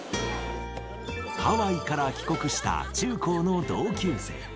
ハワイから帰国した中高の同級生。